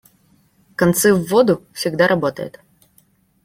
«Концы в воду» всегда работает.